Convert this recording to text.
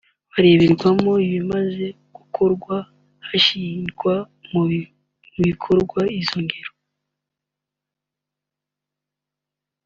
irareberwamo ibimaze kugerwaho hashyirwa mu bikorwa izo ntego